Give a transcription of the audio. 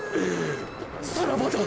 さらばだ！